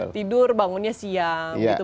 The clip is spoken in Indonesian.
tidur bangunnya siang